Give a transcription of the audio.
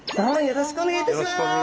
よろしくお願いします。